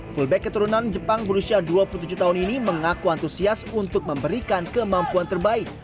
fullback keturunan jepang berusia dua puluh tujuh tahun ini mengaku antusias untuk memberikan kemampuan terbaik